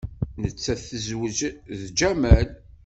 Nettat tezweǧ d Jamal.